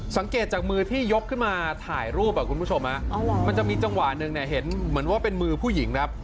จากมือที่ยกขึ้นมาถ่ายรูปคุณผู้ชมมันจะมีจังหวะหนึ่งเนี่ยเห็นเหมือนว่าเป็นมือผู้หญิงครับ